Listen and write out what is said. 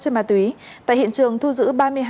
trên ma túy tại hiện trường thu giữ